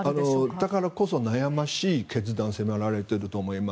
だからこそ悩ましい決断を迫られていると思います。